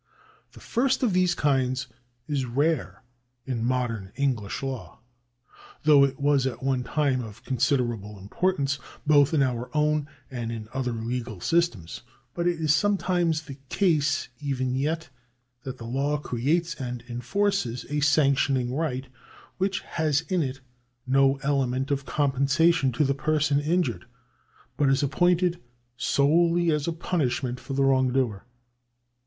The first of these kinds is rare in modern English law, though it was at one time of considerable importance both in our own and in other legal systems. But it is sometimes the ^6 THE ADMINISTRATION OF JUSTICE [§ 32 case even yet, that the law creates and enforces a sanction ing right which has in it no element of compensation to the person injured, but is appointed solely as a punishment for the wrongdoer.